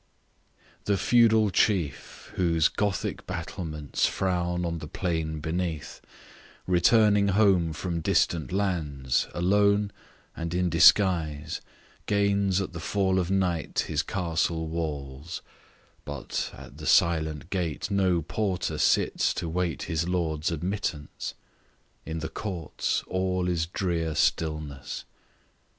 The feudal chief, whose gothic battlements Frown on the plain beneath, returning home From distant lands, alone, and in disguise, Gains at the fall of night his castle walls, But, at the silent gate no porter sits To wait his lord's admittance! In the courts All is drear stillness!